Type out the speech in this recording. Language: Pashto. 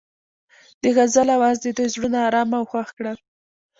د غزل اواز د دوی زړونه ارامه او خوښ کړل.